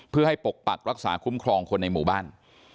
เพื่อให้ปกปักรักษาคุ้มครองคนในหมู่บ้าน